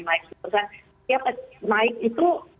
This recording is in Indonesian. naik sepuluh persen tiap naik itu